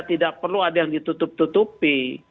tidak perlu ada yang ditutup tutupi